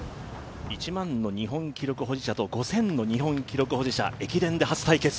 １００００の日本記録保持者と５０００の日本記録保持者、駅伝で初対決。